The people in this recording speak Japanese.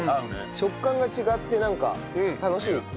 食感が違ってなんか楽しいですね。